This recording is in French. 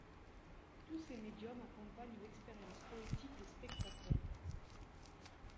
Tous ces médiums accompagnent l'expérience poétique des spectateurs.